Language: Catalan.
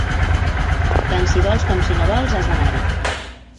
Tant si vols com si no vols has d'anar-hi.